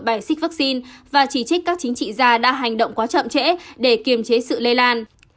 bài xích vaccine và chỉ trích các chính trị gia đã hành động quá chậm trễ để kiềm chế sự lây lan